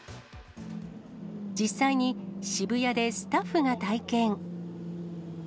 実際に渋谷でスタッフが体験。